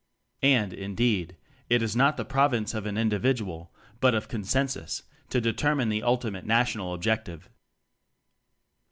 And, indeed, it is not the prov ince of an individual, but of consensus to determine the ultimate National Ob jective.